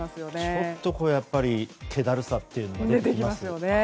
ちょっとけだるさというのが出てきますよね。